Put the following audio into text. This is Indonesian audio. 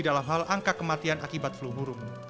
dalam hal angka kematian akibat flu burung